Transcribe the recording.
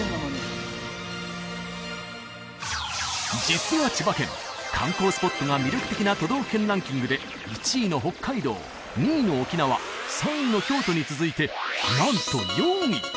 実は千葉県観光スポットが魅力的な都道府県ランキングで１位の北海道２位の沖縄３位の京都に続いてなんと４位！